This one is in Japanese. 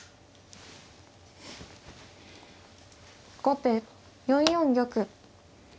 後手４四玉。